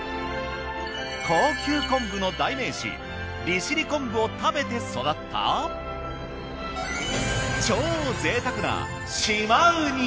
高級昆布の代名詞利尻昆布を食べて育った超贅沢な。